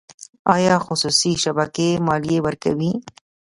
آیا خصوصي شبکې مالیه ورکوي؟